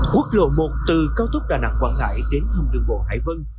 quốc lộ một từ cao thúc đà nẵng quảng ngãi đến thông đường bộ hải vân